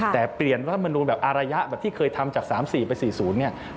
แต่เปลี่ยนรัฐมนูลแบบอารยะแบบที่เคยทำจาก๓๔ไป๔๐เนี่ย